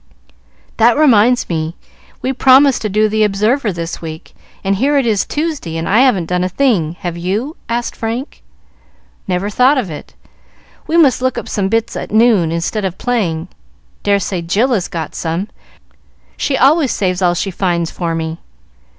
"That reminds me! We promised to do the 'Observer' this week, and here it is Tuesday and I haven't done a thing: have you?" asked Frank. "Never thought of it. We must look up some bits at noon instead of playing. Dare say Jill has got some: she always saves all she finds for me."